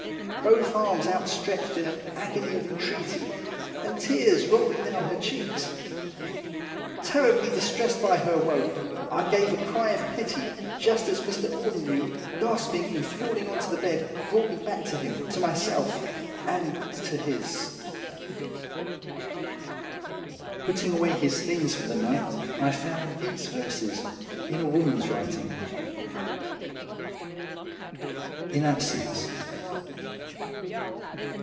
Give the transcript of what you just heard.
Both arms outstretched in an agony of entreaty, and tears rolling down her cheeks. Terribly distressed by her woe, I gave a cry of pity just as Mr. Audenried, gasping and falling on the bed, brought me back to him, to myself, and to his 01 6to0rn Statement. 219 Putting away his things for the night I found these verses in a woman's writing: IN ABSENCE.